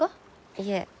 いえ。